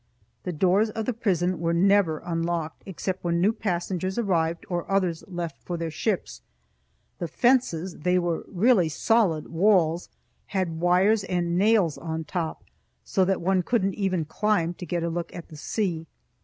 The doors of the prison were never unlocked except when new passengers arrived or others left for their ships. The fences they really were solid walls had wires and nails on top, so that one couldn't even climb to get a look at the sea.